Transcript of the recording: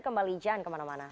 kembali jangan kemana mana